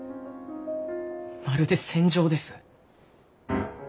まるで戦場です。